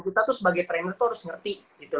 kita sebagai trainer itu harus ngerti